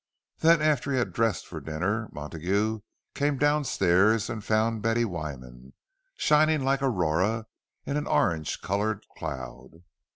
Then, after he had dressed for dinner, Montague came downstairs, and found Betty Wyman, shining like Aurora in an orange coloured cloud.